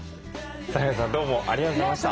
サヘルさんどうもありがとうございました。